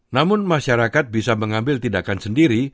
namun masyarakat bisa mengambil tindakan sendiri